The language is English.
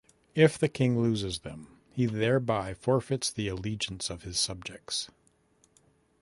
If the king loses them, he thereby forfeits the allegiance of his subjects.